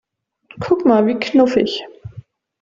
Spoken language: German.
Guck mal, wie knuffig!